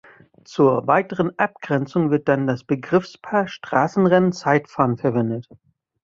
Zur weiteren Abgrenzung wird dann das Begriffspaar Straßenrennen-Zeitfahren verwendet.